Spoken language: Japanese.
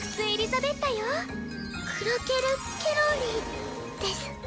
クロケル・ケロリです。